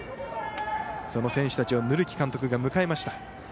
その選手たちを塗木監督が迎えました。